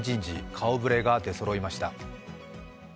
顔ぶれが出そろいました。